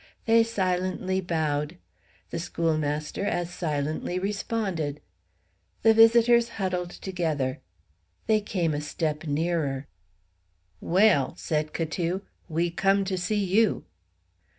They silently bowed. The schoolmaster as silently responded. The visitors huddled together. They came a step nearer. "Well," said Catou, "we come to see you."